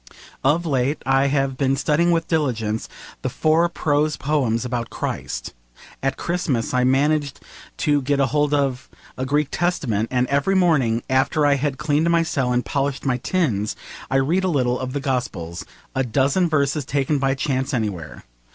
Of late I have been studying with diligence the four prose poems about Christ. At Christmas I managed to get hold of a Greek Testament, and every morning, after I had cleaned my cell and polished my tins, I read a little of the Gospels, a dozen verses taken by chance anywhere.